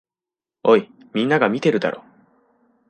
おい、みんなが見てるだろ。